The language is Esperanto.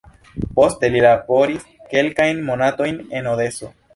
Poste li laboris kelkajn monatojn en Odeso.